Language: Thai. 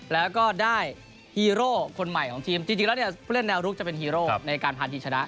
แล้วก็ได้ฮีโร่คนใหม่ของทีมจริงแล้วเนี่ยผู้เล่นแนวรุกจะเป็นฮีโร่ในการพาทีมชนะ